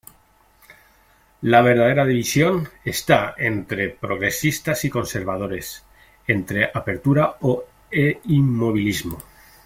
La verdadera división está entre progresistas y conservadores, entre apertura e inmovilismo.